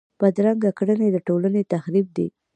بدرنګه کړنې د ټولنې تخریب دي